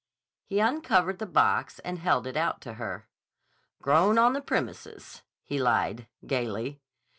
He uncovered the box and held it out to her. "Grown on the premises," he lied gayly.